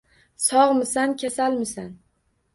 Sogʻmisan-kasalmisan